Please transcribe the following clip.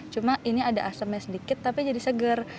cuma ini ada asamnya sedikit tapi jadi segar